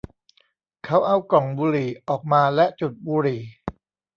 เขาเอากล่องบุหรี่ออกมาและจุดบุหรี่